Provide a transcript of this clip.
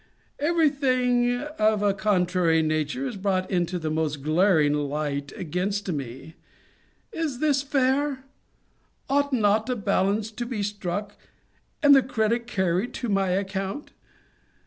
Every thing of a contrary nature is brought into the most glaring light against me Is this fair? Ought not a balance to be struck; and the credit carried to my account?